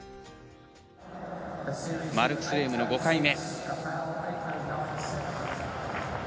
マルクス・レームの５回目。